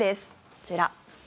こちら。